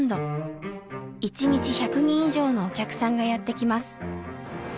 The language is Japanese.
１日１００人以上のお客さんがやって来ます。